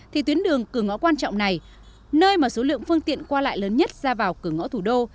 thì tuyến đường cửa ngõ quan trọng này nơi mà số lượng phương tiện qua lại lớn nhất ra vào cửa ngõ thủ đô